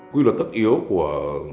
quy luật tất yếu của